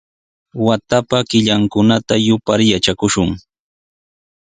Watapa killankunata yupar yatrakushun.